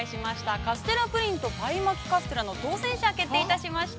「カステラぷりんとパイ巻カステラ」の当選者が決定いたしました！